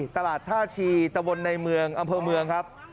ตลาดธาชีตะวนในอำเพลิงครับ